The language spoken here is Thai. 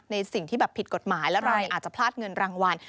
สิ่งที่แบบผิดกฎหมายแล้วเราอาจจะพลาดเงินรางวัล